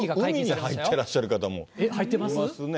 海に入っていらっしゃる方もいますね。